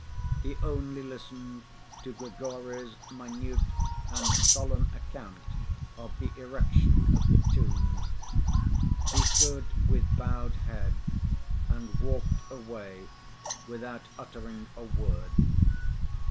He only listened to Grigory's minute and solemn account of the erection of the tomb; he stood with bowed head and walked away without uttering a word.